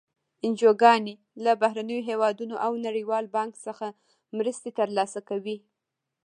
انجوګانې له بهرنیو هېوادونو او نړیوال بانک څخه مرستې تر لاسه کوي.